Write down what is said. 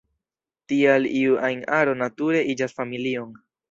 Tial iu ajn aro nature iĝas familion.